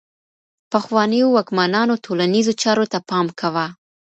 پخوانيو واکمنانو ټولنيزو چارو ته پام کاوه.